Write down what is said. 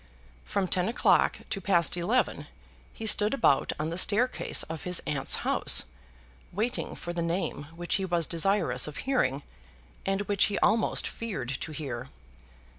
From ten o'clock to past eleven he stood about on the staircase of his aunt's house, waiting for the name which he was desirous of hearing, and which he almost feared to hear.